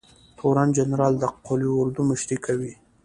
تورن جنرال د قول اردو مشري کوي